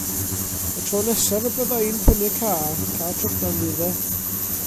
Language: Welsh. Y tro nesaf y bydda i'n prynu car, car trydan fydd e.